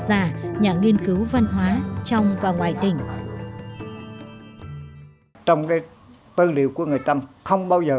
già nhà nghiên cứu văn hóa trong và ngoài tỉnh trong đây tên liệu của người trăm không bao giờ